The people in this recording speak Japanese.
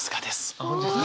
あっ本当ですか？